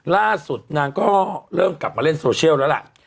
ล่าสุดนางก็เริ่มกลับมาเล่นโซเชียลแล้วล่ะ